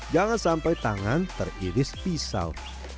jangan sampai tangan teriris pisau